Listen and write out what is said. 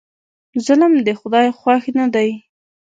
ظلم د خدای خوښ نه دی.